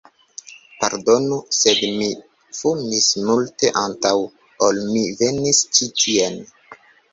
Pardonu, sed mi fumis multe antaŭ ol mi venis ĉi tien...